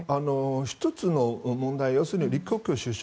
１つの問題は要するに李克強首相